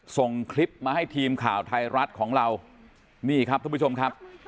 ส่งคลิปมาให้ทีมข่าวไทยรัฐของเรานี่ครับทุกผู้ชมครับ